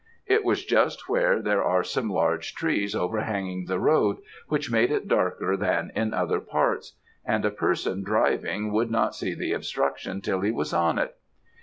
It was just where there are some large trees over hanging the road, which made it darker than in other parts; and a person driving would not see the obstruction till he was on it.